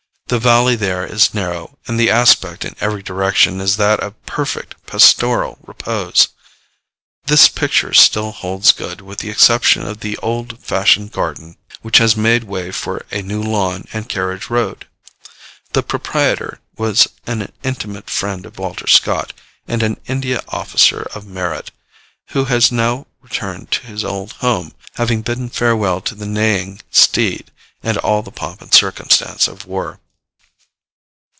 The valley there is narrow, and the aspect in every direction is that of perfect pastoral repose.' This picture still holds good, with the exception of the 'old fashioned garden,' which has made way for a new lawn and carriage road. The proprietor was an intimate friend of Walter Scott, and an India officer of merit, who has now returned to his old home, having bidden farewell to the neighing steed and all the pomp and circumstance of war.